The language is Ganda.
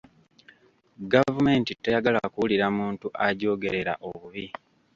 Gavumenti teyagala kuwulira muntu agyogerera obubi.